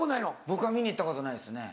僕は見に行ったことないですね。